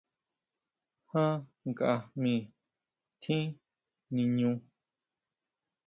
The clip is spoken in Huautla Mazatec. Já nkajmi tjín niñú?